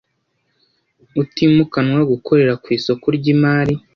utimukanwa gukorera ku isoko ry imari